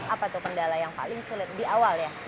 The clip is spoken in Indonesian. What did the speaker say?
apa tuh kendala yang paling sulit di awal ya